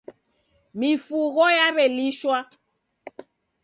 Mifugho yaw'elishwa.